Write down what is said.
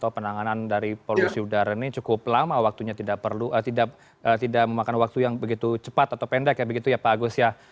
penanganan dari polusi udara ini cukup lama waktunya tidak perlu tidak memakan waktu yang begitu cepat atau pendek ya begitu ya pak agus ya